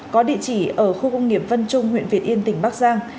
có địa chỉ ở khu công nghiệp văn trung huyện việt yên tỉnh bắc giang